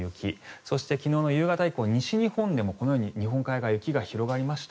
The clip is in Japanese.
そして、昨日の夕方以降西日本でもこのように日本海側雪が広がりました。